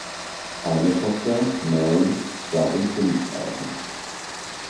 Eine Tochter, Mary, starb im Kindesalter.